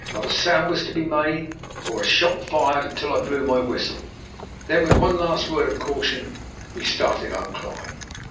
Not a sound was to be made or a shot fired until I blew my whistle. Then, with one last word of caution, we started on our climb.